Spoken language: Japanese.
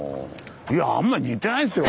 いやあんまり似てないですよ